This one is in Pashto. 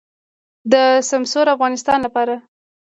د سمسور افغانستان لپاره.